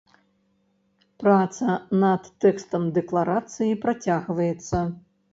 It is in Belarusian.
Праца над тэкстам дэкларацыі працягваецца.